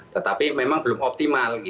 tetapi memang belum optimal